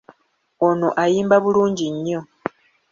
Ono ayimba bulungi nnyo.